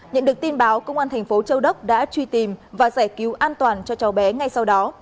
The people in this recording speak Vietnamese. nhận được tin báo công an thành phố châu đốc đã truy tìm và giải cứu an toàn cho cháu bé ngay sau đó